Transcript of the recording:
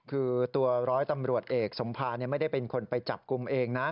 คือตัวร้อยตำรวจเอกสมภาไม่ได้เป็นคนไปจับกลุ่มเองนะ